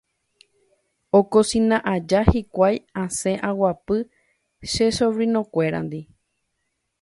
Okosina aja hikuái asẽ aguapy che sobrinokuérandi